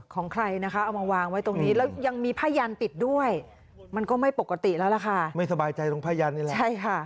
ตอนนั้นหนูไม่รู้ว่าหนูวิ่งอย่างเดียวแหละหนูกลัว